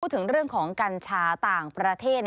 ถึงเรื่องของกัญชาต่างประเทศ